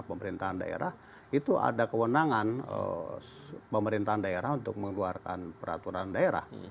pemerintahan daerah itu ada kewenangan pemerintahan daerah untuk mengeluarkan peraturan daerah